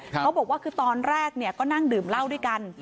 เขาบอกว่าคือตอนแรกก็นั่งดื่มเหล้าด้วยกัน